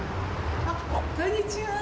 あっこんにちは。